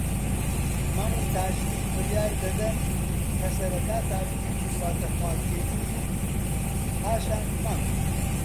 مەم و تاجدین بڕیار دەدەن کە سەرەتا تاجدین بڕواتە خوازبێنیی و پاشان مەم